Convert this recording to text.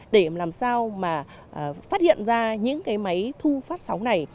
để làm sao mà phát hiện ra những cái máy thu phát sóng này